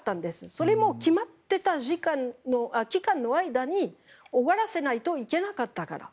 それも決まってた期間の間に終わらせないといけなかったから。